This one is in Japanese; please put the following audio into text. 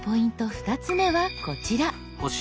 ２つ目はこちら。